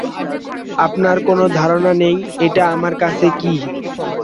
আপনার কোনো ধারণা নেই এটা আমার কাছে কি।